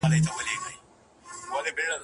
ما یې خالي انګړ ته وکړل سلامونه